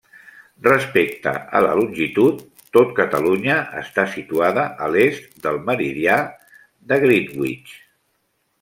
Respecte a la longitud, tot Catalunya està situada a l'est del meridià de Greenwich.